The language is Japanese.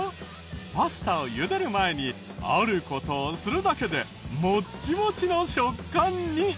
パスタを茹でる前にある事をするだけでモッチモチの食感に！